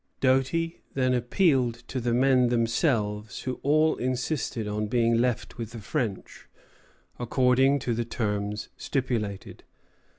Doty then appealed to the men themselves, who all insisted on being left with the French, according to the terms stipulated.